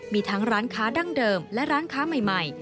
มีทั้งร้านค้าดั้งเดิมและร้านค้าใหม่